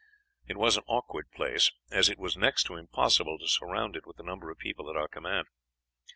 "It was an awkward place, as it was next to impossible to surround it with the number of people at our command.